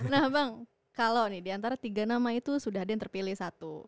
nah bang kalau nih diantara tiga nama itu sudah ada yang terpilih satu